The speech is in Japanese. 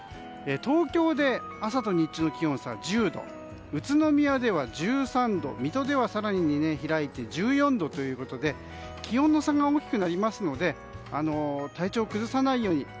東京で朝と日中の気温差が１０度宇都宮では１３度、水戸では更に開いて１４度ということで気温の差が大きくなりますので体調を崩さないように。